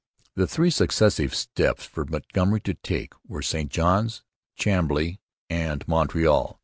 The three successive steps for Montgomery to take were St Johns, Chambly, and Montreal.